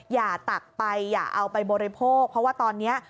ตักไปอย่าเอาไปบริโภคเพราะว่าตอนนี้